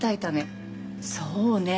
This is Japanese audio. そうね。